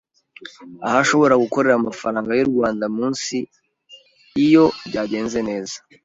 aho ashobora gukorera amafaranga y’u Rwanda munsi iyo byagenze neza.